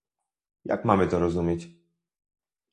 Jak mamy to rozumieć?